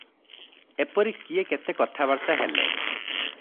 ଏପରି କିଏ କେତେ କଥାବାର୍ତ୍ତା ହେଲେ ।